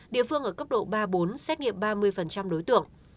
địa phương ở cấp độ ba bốn xét nghiệm ba mươi đối tượng